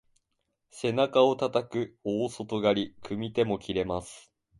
背中をたたく大外刈り、組み手も切れます。